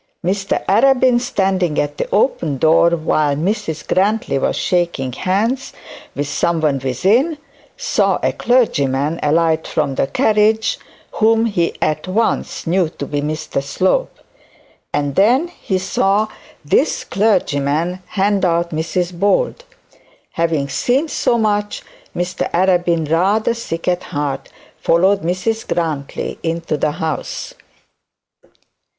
Mr Arabin standing at the open door, while Mrs Grantly was shaking hands with someone within, saw a clergyman alight from the carriage whom he at once knew to be Mr Slope, and then she saw this clergyman hand out Mrs Bold. Having seen so much, Mr Arabin, rather sick at heart, followed Mrs Grantly into the house.